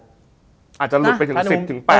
อาจจะหลุดไปถึง๑๐๘